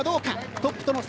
トップとの差